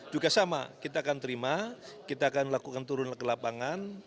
juga sama kita akan terima kita akan melakukan turun ke lapangan